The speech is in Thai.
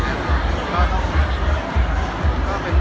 เป็นกิจใจของบินัทล่ะแน่นอน